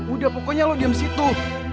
udah pokoknya lo diam situ